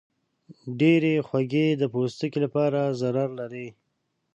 ډېرې خوږې د پوستکي لپاره ضرر لري.